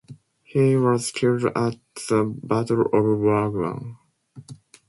He was killed at the Battle of Wagram.